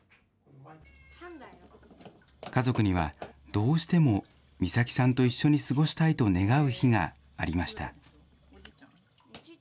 家族には、どうしても美咲さんと一緒に過ごしたいと願う日がありました。